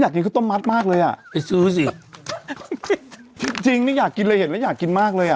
กินข้าวต้มมัดมากเลยอ่ะไปซื้อสิจริงนี่อยากกินเลยเห็นแล้วอยากกินมากเลยอ่ะ